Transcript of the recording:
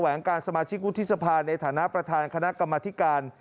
วงการสมาชิกวุฒิสภาในฐานะประธานคณะกรรมธิการ